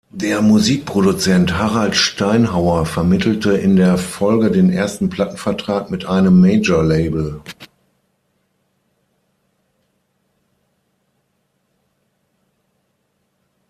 Der Musikproduzent Harald Steinhauer vermittelte in der Folge den ersten Plattenvertrag mit einem Major-Label.